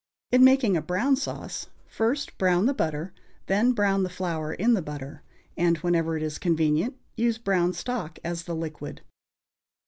In making a brown sauce, first brown the butter, then brown the flour in the butter, and, whenever it is convenient, use brown stock as the liquid.